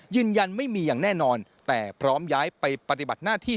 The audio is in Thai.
ยืนยันไม่มีอย่างแน่นอนแต่พร้อมย้ายไปปฏิบัติหน้าที่